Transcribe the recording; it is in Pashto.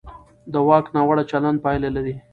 د واک ناوړه چلند پایله لري